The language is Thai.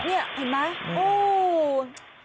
นี่เห็นไหมโอ้